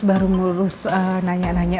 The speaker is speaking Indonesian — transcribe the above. baru ngurus nanya nanya